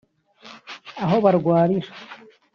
aho barwarira